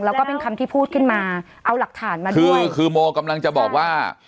แล้วก็เป็นคำที่พูดขึ้นมาเอาหลักฐานมาด้วยคือคือโมกำลังจะบอกว่า